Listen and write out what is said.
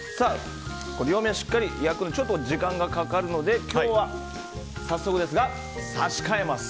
両面しっかり焼くのにちょっと時間がかかるので今日は早速ですが差し替えます。